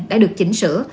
đã được chỉnh sửa